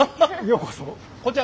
ようこそ。